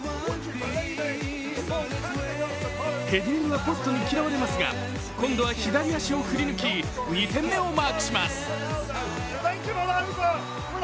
ヘディングはポストに嫌われますが、今度は左足を振り抜き、２点目をマ−クします。